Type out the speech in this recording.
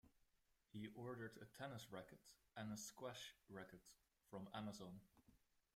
He ordered a tennis racket and a squash racket from Amazon.